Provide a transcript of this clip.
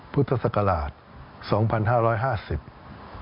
พุทธศักราช๒๕๕๐